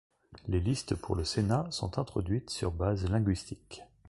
Les listes pour le sénat sont introduites sur base linguistiques.